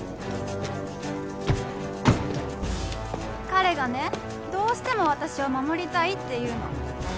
彼がねどうしても私を守りたいって言うの。